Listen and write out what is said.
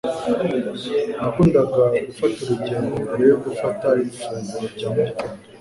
Nakundaga gufata urugendo mbere yo gufata ifunguro rya mu gitondo.